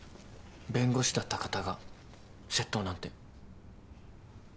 弁護士だった方が窃盗なんて。